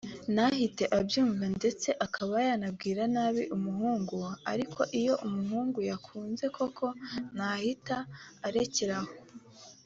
ntahite abyumva ndetse akaba yanabwira nabi umuhungu ariko iyo umuhungu yakunze koko ntahita arekera aho